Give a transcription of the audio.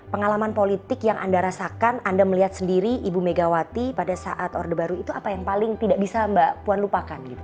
pengalaman politik yang anda rasakan anda melihat sendiri ibu megawati pada saat orde baru itu apa yang paling tidak bisa mbak puan lupakan gitu